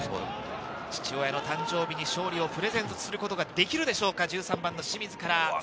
父親の誕生日に勝利をプレゼントすることができるでしょうか。